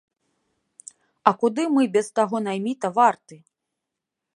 А куды мы без таго найміта варты?!